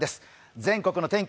全国の天気